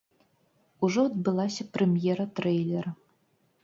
Ужо адбылася прэм'ера трэйлера.